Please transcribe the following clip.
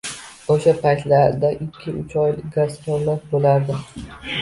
O‘sha paytlarda ikki-uch oylik gastrollar bo‘lardi.